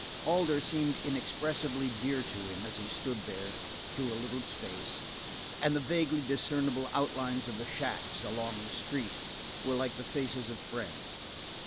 Alder seemed inexpressibly dear to him as he stood there through a little space, and the vaguely discernible outlines of the shacks along the street were like the faces of friends.